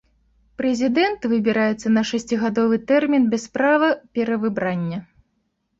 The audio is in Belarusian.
Прэзідэнт выбіраецца на шасцігадовы тэрмін без права перавыбрання.